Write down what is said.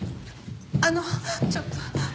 あのちょっと。